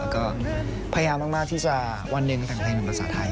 แล้วก็พยายามมากที่จะวันหนึ่งแต่งเพลงเป็นภาษาไทย